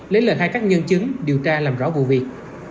lấy lời khai các nhân chứng điều tra làm rõ vụ việc